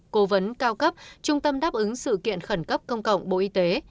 cố vấn cao cấp trung tâm đáp ứng sự kiện khẩn cấp công cộng bộ y tế